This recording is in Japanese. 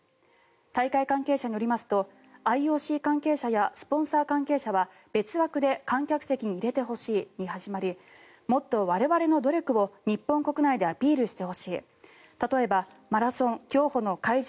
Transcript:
大会関係者によりますとＩＯＣ関係者やスポンサー関係者は別枠で観客席に入れてほしいに始まりもっと我々の努力を日本国内でアピールしてほしい例えばマラソン・競歩の会場